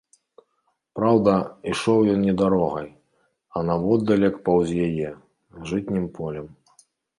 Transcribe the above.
Праўда, ішоў ён не дарогай, а наводдалек паўз яе, жытнім полем.